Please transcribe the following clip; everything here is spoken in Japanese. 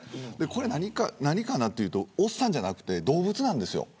これは何かなというとおっさんじゃなくて動物なんですよ。